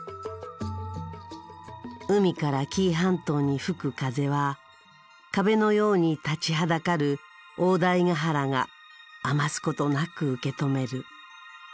海から紀伊半島に吹く風は壁のように立ちはだかる大台ヶ原が余すことなく受け止める。